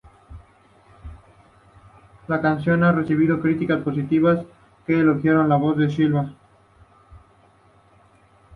La canción ha recibido críticas positivas que elogiaron la voz de Sivan.